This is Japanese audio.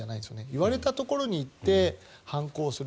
言われたところに行って犯行をする。